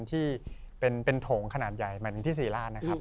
ที่เป็นโถงขนาดใหญ่หมายถึงที่สีลาส